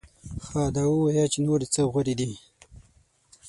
ښه دا ووایه چې نورې څه غورې دې؟